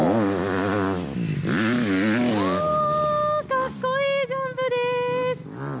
かっこいいジャンプです。